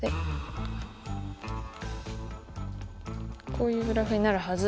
こういうグラフになるはず。